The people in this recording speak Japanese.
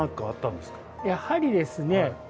やはりですね